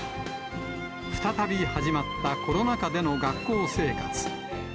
再び始まったコロナ禍での学校生活。